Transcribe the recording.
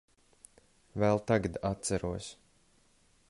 Vēl tagad atceros.